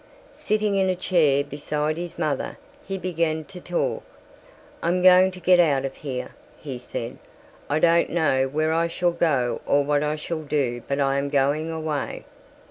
Sitting in a chair beside his mother he began to talk. "I'm going to get out of here," he said. "I don't know where I shall go or what I shall do but I am going away."